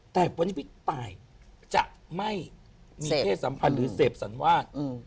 แต่วันนี้พี่ตายจะไม่มีเพศสัมพันธ์หรือเสพสันวาส